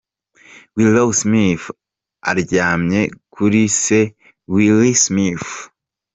Willow Smith aryamye kuri se, Will Smith.